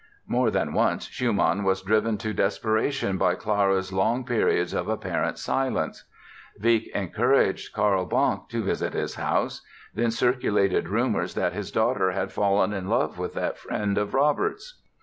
More than once Schumann was driven to desperation by Clara's long periods of apparent silence. Wieck encouraged Carl Banck to visit his house, then circulated rumors that his daughter had fallen in love with that friend of Robert's.